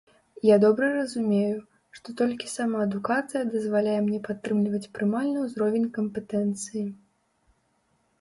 Я добра разумею, што толькі самаадукацыя дазваляе мне падтрымліваць прымальны ўзровень кампетэнцыі.